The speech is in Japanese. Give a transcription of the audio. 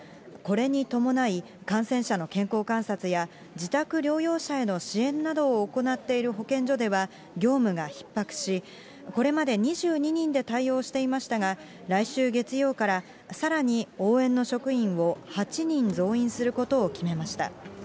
これに伴い、感染者の健康観察や自宅療養者への支援などを行っている保健所では、業務がひっ迫し、これまで２２人で対応していましたが、来週月曜から、さらに応援の職員を８人増員することを決めました。